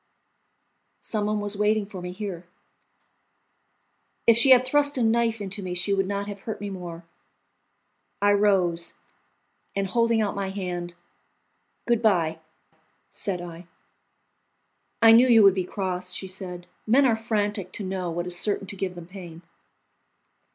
"Some one was waiting for me here." If she had thrust a knife into me she would not have hurt me more. I rose, and holding out my hand, "Goodbye," said I. "I knew you would be cross," she said; "men are frantic to know what is certain to give them pain."